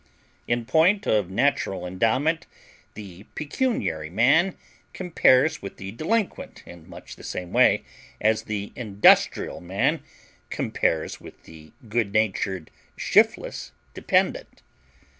In point of natural endowment the pecuniary man compares with the delinquent in much the same way as the industrial man compares with the good natured shiftless dependent.